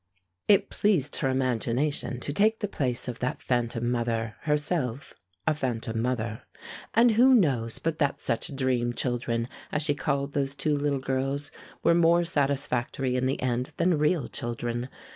It pleased her imagination to take the place of that phantom mother, herself a phantom mother. And who knows but that such dream children, as she called those two little girls, were more satisfactory in the end than real children?